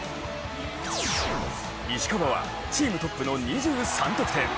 石川はチームトップの２３得点。